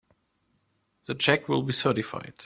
The check will be certified.